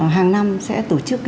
hàng năm sẽ tổ chức